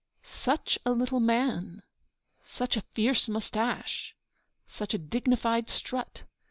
Such a little man! Such a fierce moustache! Such a dignified strut!